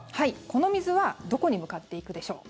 この水はどこに向かっていくでしょう。